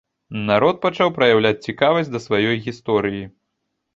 Народ пачаў праяўляць цікавасць да сваёй гісторыі.